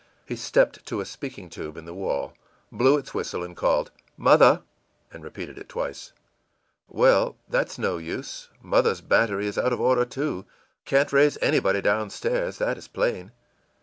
î He stepped to a speaking tube in the wall, blew its whistle, and called, ìMother!î and repeated it twice. ìWell, that's no use. Mother's battery is out of order, too. Can't raise anybody down stairs that is plain.